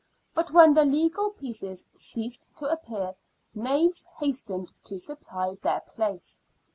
But when the legal pieces ceased to appear, knaves hastened to supply their place.